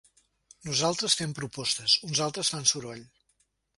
Nosaltres fem propostes, uns altres fan soroll.